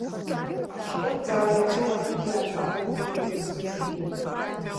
Ашәҟәы ҵара-лашароуп, иааӡагоуп, иламыс ӡыржәгоуп.